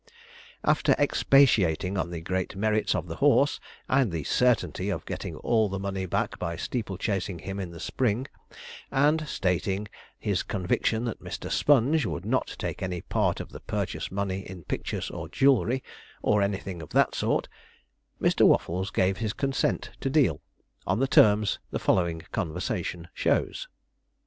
After expatiating on the great merits of the horse, and the certainty of getting all the money back by steeple chasing him in the spring, and stating his conviction that Mr. Sponge would not take any part of the purchase money in pictures or jewellery, or anything of that sort, Mr. Waffles gave his consent to deal, on the terms the following conversation shows.